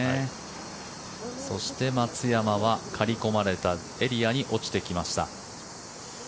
そして松山は刈り込まれたエリアに落ちてきました。